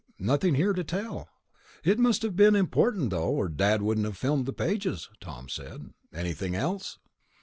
Nothing here to tell." "It must have been important, though, or Dad wouldn't have filmed the pages," Tom said. "Anything else?"